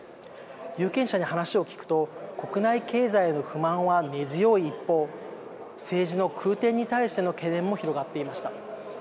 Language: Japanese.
有権者に話を聞くと国内経済への不満は根強い一方政治の空転に対しての懸念も広がっていました。